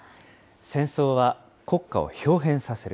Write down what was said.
戦争は、国家をひょう変させる。